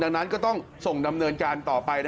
ดังนั้นก็ต้องส่งดำเนินการต่อไป